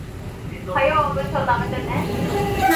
早う文章溜めてね